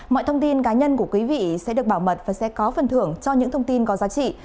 mọi thông tin cá nhân của quý vị sẽ được bảo mật và sẽ có phần thưởng cho những thông tin có giá trị